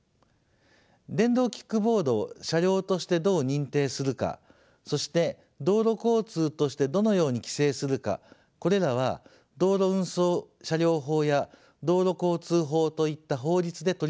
電動キックボードを車両としてどう認定するかそして道路交通としてどのように規制するかこれらは道路運送車両法や道路交通法といった法律で取り扱われます。